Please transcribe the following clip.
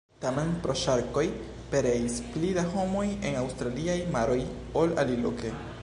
Tamen pro ŝarkoj pereis pli da homoj en aŭstraliaj maroj ol aliloke.